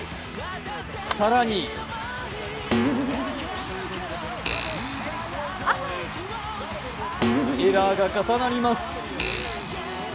更にエラーが重なります。